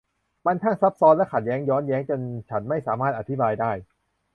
มันช่างซับซ้อน และขัดแย้งย้อนแยง จนฉันไม่สามารถอธิบายได้